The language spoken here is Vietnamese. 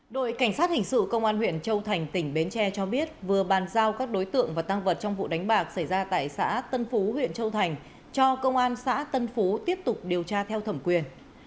đội cảnh sát hình sự công an huyện châu thành tỉnh bến tre cho biết vừa bàn giao các đối tượng và tăng vật trong vụ đánh bạc xảy ra tại xã tân phú huyện châu thành cho công an xã tân phú tiếp tục điều tra theo thẩm quyền